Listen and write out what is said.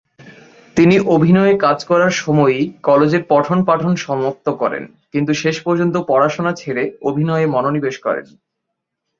তিনি অভিনয়ে কাজ করার সময়েই কলেজের পঠন-পাঠন সমাপ্ত করেন, কিন্তু শেষ পর্যন্ত পড়াশোনা ছেড়ে অভিনয়ে মনোনিবেশ করেন।